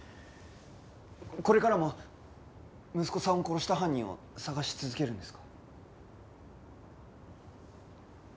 これからも息子さんを殺した犯人を捜し続けるんですか？